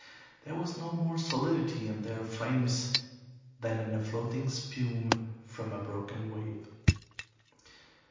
There was no more solidity in their frames than in the floating spume from a broken wave.